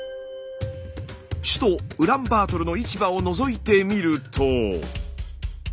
首都ウランバートルの市場をのぞいてみると。